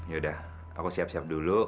yaudah aku siap siap dulu